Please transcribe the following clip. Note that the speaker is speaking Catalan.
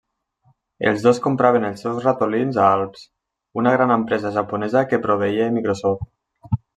Els dos compraven els seus ratolins a Alps, una gran empresa japonesa que proveïa Microsoft.